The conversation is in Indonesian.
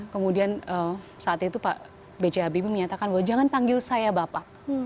kemudian saat itu pak b j habibie menyatakan bahwa jangan panggil saya bapak